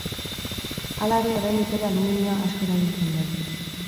Hala ere, oraindik ere aluminioa asko erabiltzen den.